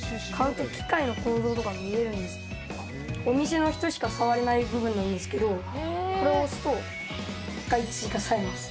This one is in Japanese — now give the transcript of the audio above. お店の人しか触れない部分なんですけどこれを押すと１回追加されます。